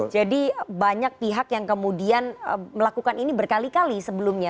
jadi banyak pihak yang kemudian melakukan ini berkali kali sebelumnya